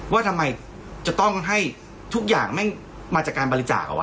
ว่าทำไมจะต้องให้ทุกอย่างไม่มาจากการบริจาค